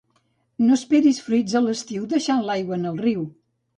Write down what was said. No esperis fruits a l'estiu, deixant l'aigua en el riu.